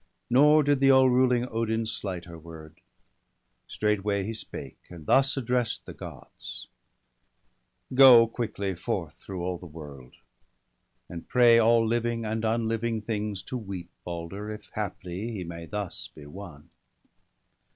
Nor did the all ruling Odin slight her word; Straightway he spake, and thus address'd the Gods : 'Go quickly forth through all the world, and pray VOL. I. N 178 BALDER DEAD, All living and unliving things to weep Balder, if haply he may thus be won.'